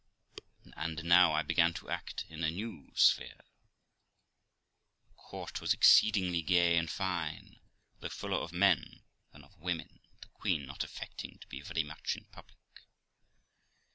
And now I began to act in a new sphere. The court was exceedingly gay and fine, though fuller of men than of women, the queen not affecting to be very much in public.